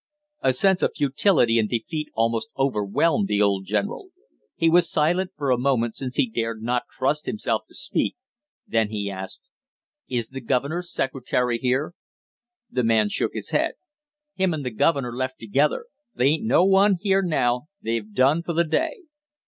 A sense of futility and defeat almost overwhelmed the old general. He was silent for a moment since he dared not trust himself to speak, then he asked: "Is the governor's secretary here?" The man shook his head. "Him and the governor left together. There ain't no one here now, they've done for the day."